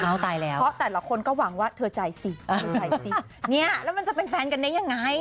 ตายแล้วเพราะแต่ละคนก็หวังว่าเธอใจสิเธอใจสิเนี่ยแล้วมันจะเป็นแฟนกันได้ยังไง